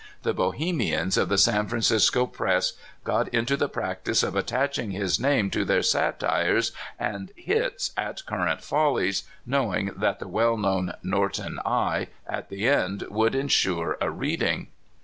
The Bohemians of the San Francisco press got into the practice of attaching his name to their satires and hits at current folHes, knowing that the well known '' Norton I." at the end would insure a reading.